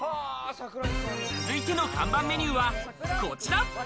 続いての看板メニューはこちら。